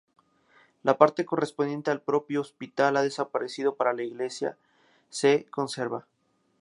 La parte correspondiente al propio hospital ha desaparecido, pero la iglesia se conserva.